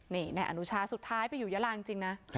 นี่นายอนุชาสุดท้ายไปอยู่ยาลาจริงนะ